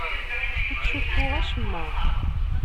Ur ttcuffuɣ acemma.